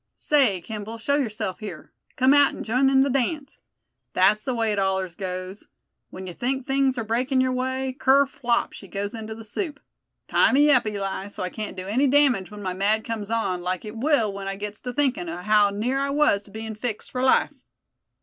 Say, Kimball, show yourself here. Come out an' jine in the dance. Thet's the way it allers goes; when you think things are breaking your way, kerflop she goes into the soup. Tie me up, Eli, so I can't do any damage when my mad comes on, like it will when I gets to thinkin' o' how near I was to bein' fixed for life."